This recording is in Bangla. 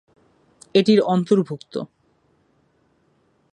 এটি র অন্তর্ভুক্ত।